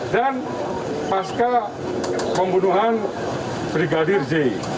dan pasca pembunuhan brigadir j